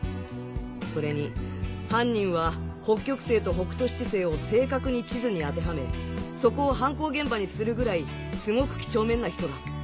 それに犯人は北極星と北斗七星を正確に地図に当てはめそこを犯行現場にするぐらいすごく几帳面な人だ。